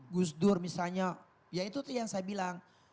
gus dur misalnya ya itu tuh yang saya bilang